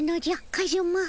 カズマ。